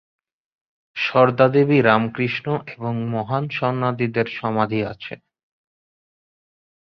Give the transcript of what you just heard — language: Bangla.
সারদা দেবী, রামকৃষ্ণ এবং মহান সন্ন্যাসীদের সমাধি আছে।